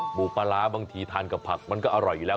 หมูปลาร้าบางทีทานกับผักมันก็อร่อยอยู่แล้ว